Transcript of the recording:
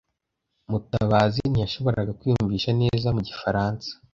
Mutabazi ntiyashoboraga kwiyumvisha neza mu gifaransa.